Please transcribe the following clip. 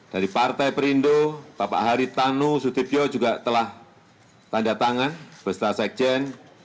dari partai perindo bapak haritanu sudibyo juga telah tanda tangan beserta sekjen